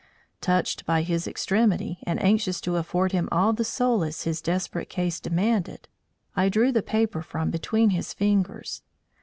Touched by his extremity, and anxious to afford him all the solace his desperate case demanded, I drew the paper from between his fingers.